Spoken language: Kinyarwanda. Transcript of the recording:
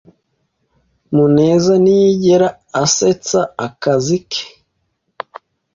Muneza ntiyigera asetsa akazi ke.